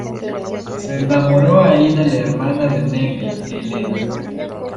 Se enamoró ahí de la hermana de Negri, Elena.